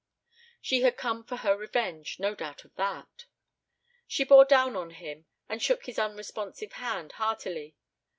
She had come for her revenge. No doubt of that. She bore down on him, and shook his unresponsive hand heartily.